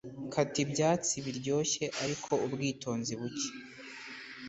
Kata ibyatsi biryoshye ariko ubwitonzi buke